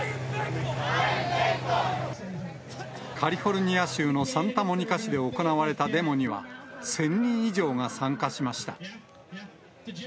カリフォルニア州のサンタモニカ市で行われたデモには、１０００人以上が参加しました。